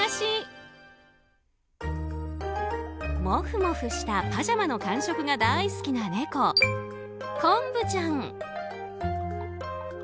モフモフしたパジャマの感触が大好きな猫、こんぶちゃん。